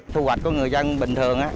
thu hoạch của người dân bình thường đó